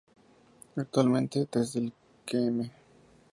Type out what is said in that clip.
Actualmente, desde el km.